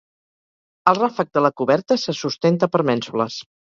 El ràfec de la coberta se sustenta per mènsules.